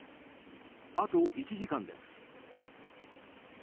あと１時間です。